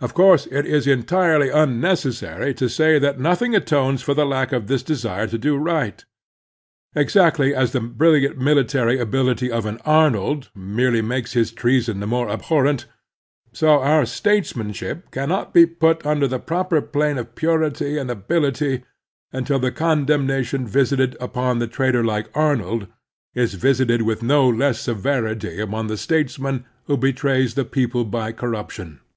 Of course it is entirely tmnecessary to say that nothing atones for the lack of this desire to do right. Exactly as the brilliant mili tary ability of an Arnold merely makes his treason the more abhorrent, so our statesmanship cannot be put upon the proper plane of purity and ability until the condemnation visited upon a traitor like Arnold is visited with no less severity upon the statesman who betrays the people by corruption.